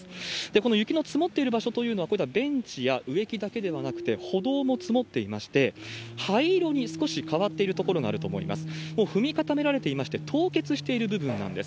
この雪の積もっている場所というのは、こういったベンチや植木だけではなくて、歩道も積もっていまして、灰色に、少し変わっている所があると思います。